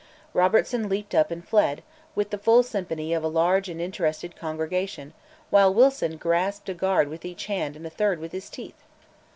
Robertson leaped up and fled, with the full sympathy of a large and interested congregation, while Wilson grasped a guard with each hand and a third with his teeth.